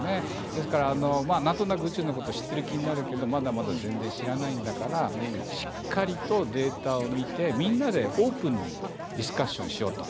ですからなんとなく中のことを知っているキニナルけどまだまだ全然、知らないんだからしっかりとデータを見てみんなでオープンにディスカッションしようと。